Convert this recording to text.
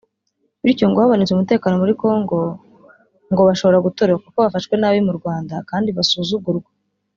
bityo ngo habonetse umutekano muri Kongo ngo bashobora gutoroka kuko bafashwe nabi mu Rwanda kandi basuzugurwa